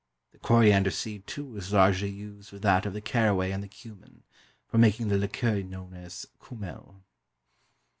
The coriander seed, too, is largely used with that of the caraway and the cumin, for making the liqueur known as KÜMMEL.